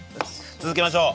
続けましょう。